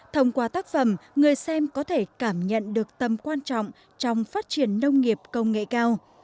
thông qua tác phẩm người xem có thể cảm nhận được tầm quan trọng trong phát triển nông nghiệp công nghệ cao